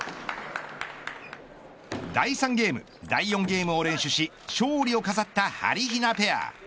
第３ゲーム、第４ゲームを連取し勝利を飾った、はりひなペア。